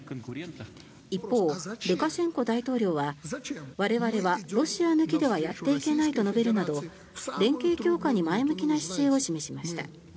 一方、ルカシェンコ大統領は我々はロシア抜きではやっていけないと述べるなど連携強化に前向きな姿勢を示しました。